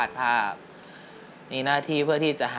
รายการต่อไปนี้เป็นรายการทั่วไปสามารถรับชมได้ทุกวัย